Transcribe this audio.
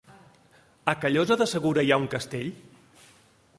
A Callosa de Segura hi ha un castell?